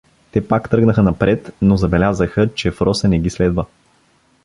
Те пак тръгнаха напред, но забелязаха, че Фроса не ги следва.